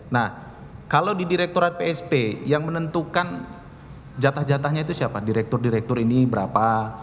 nah kalau di direkturat psp yang menentukan jatah jatahnya itu siapa direktur direktur ini berapa